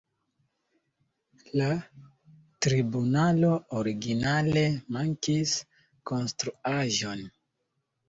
La tribunalo originale mankis konstruaĵon.